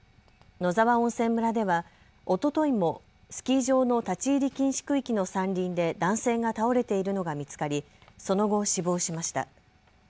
野沢温泉村ではおとといもスキー場の立ち入り禁止区域の山林で男性が倒れているのが見つかりその後、死亡しました。